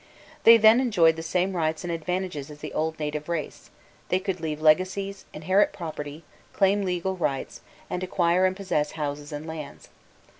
They then enjoyed the same rights and advantages as the old native race; they could leave legacies, inherit property, claim legal rights, and acquire and possess houses and lands.